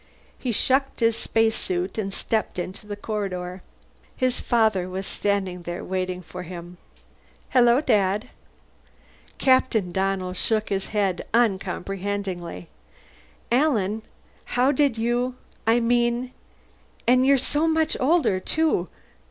He shucked his spacesuit and stepped into the corridor. His father was standing there waiting for him. "Hello, Dad." Captain Donnell shook his head uncomprehendingly. "Alan how did you I mean and you're so much older, too!